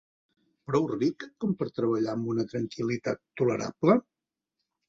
Prou ric com per treballar amb una tranquil·litat tolerable?